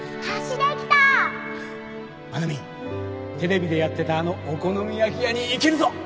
真奈美テレビでやってたあのお好み焼き屋に行けるぞ